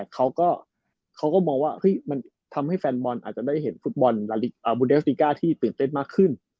เขาก็มองว่ามันทำให้แฟนบอลอาจจะได้เห็นฟุตบอลบูเดสติก้าที่ตื่นเต้นมากขึ้น